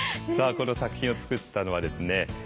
さあこの作品を作ったのはですね